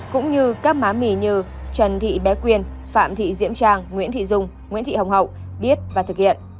cũng như các má mì như trần thị bé quyền phạm thị diễm trang nguyễn thị dung nguyễn thị hồng hậu biết và thực hiện